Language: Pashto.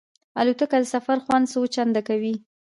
الوتکه د سفر خوند څو چنده کوي.